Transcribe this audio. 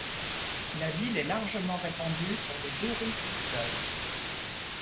La ville est largement répandue sur les deux rives du fleuve.